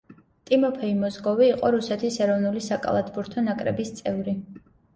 ტიმოფეი მოზგოვი იყო რუსეთის ეროვნული საკალათბურთი ნაკრების წევრი.